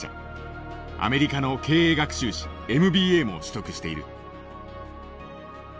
アメリカの経営学修士ＭＢＡも取得している。